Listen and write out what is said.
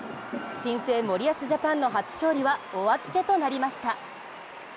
新生森保ジャパンの初勝利はお預けとなりました。